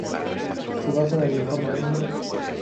Se basa en el informe No.